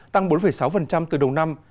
tăng bốn sáu từ đầu năm